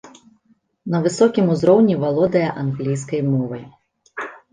На высокім узроўні валодае англійскай мовай.